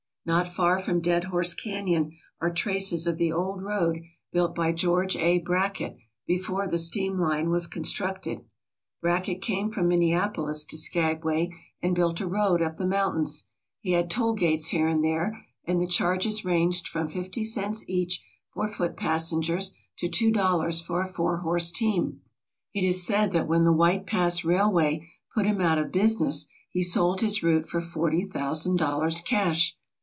Not far from Dead Horse Canyon are traces of the old road built by George A. Brackett before the steam line was constructed. Brackett came from Minneapolis to Skagway and built a road up the mountains. He had tollgates here and there, and the charges ranged from fifty cents each for foot passengers to two dollars for a four horse team. It is said that when the White Pass Railway put him out of business, he sold his route for forty thousand dollars, cash.